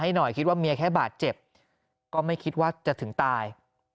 หน่อยคิดว่าเมียแค่บาดเจ็บก็ไม่คิดว่าจะถึงตาย